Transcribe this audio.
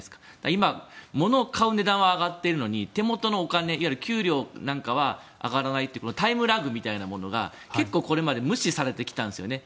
今、物を買う値段は上がっているのに手元のお金給料なんかは上がらないというタイムラグみたいなものが結構これまで無視されてきたんですよね。